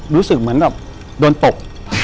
อยู่ที่แม่ศรีวิรัยิลครับ